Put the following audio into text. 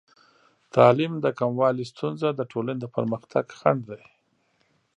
د تعلیم د کموالي ستونزه د ټولنې د پرمختګ خنډ دی.